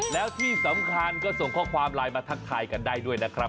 แล้วที่สำคัญก็ส่งข้อความไลน์มาทักทายกันได้ด้วยนะครับ